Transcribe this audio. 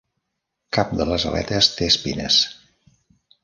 Cap de les aletes té espines.